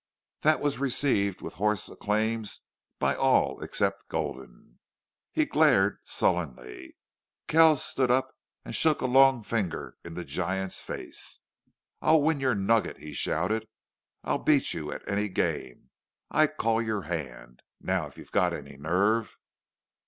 That was received with hoarse acclaims by all except Gulden. He glared sullenly. Kells stood up and shook a long finger in the giant's face. "I'll win your nugget," he shouted. "I'll beat you at any game.... I call your hand.... Now if you've got any nerve!"